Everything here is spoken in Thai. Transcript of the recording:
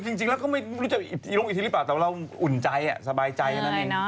คือจริงแล้วก็ไม่รู้จักอีโรงอิทธิ์หรือเปล่าแต่ว่าเราอุ่นใจสบายใจกันอันนี้